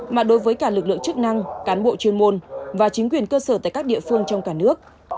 mà đối với cả lực lượng chức năng cán bộ chuyên môn và chính quyền cơ sở tại các địa phương trong cả nước